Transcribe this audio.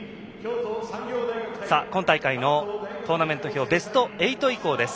今大会のトーナメント表ベスト８以降です。